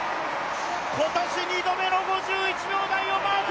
今年２度目の５１秒台をマーク！